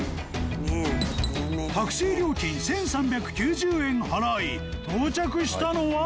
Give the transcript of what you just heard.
タクシー料金１３９０円払い到着したのは